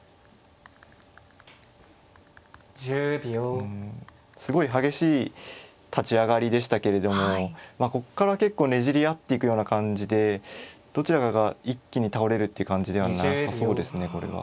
うんすごい激しい立ち上がりでしたけれどもまあここから結構ねじり合っていくような感じでどちらかが一気に倒れるっていう感じではなさそうですねこれは。